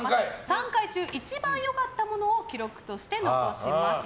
３回中、一番良かったものを記録として残します。